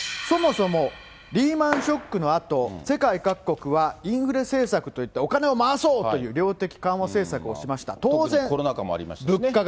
そもそも、リーマンショックのあと、世界各国はインフレ政策として、お金を回そうという量的緩和政策をしましコロナ禍もありましたしね。